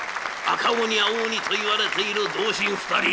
赤鬼青鬼といわれている同心２人。